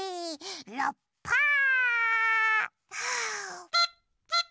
ラッパー！